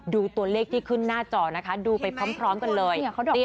ดูตัวเลขที่ขึ้นหน้าจอนะคะดูไปพร้อมกันเลย